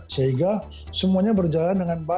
sehingga semuanya berjalan dengan baik